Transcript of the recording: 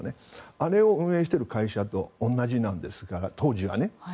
あれを運営している会社と同じなんですが、当時は。